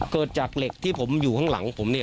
เกิดจากเหล็กที่ผมอยู่ข้างหลังผมเนี่ย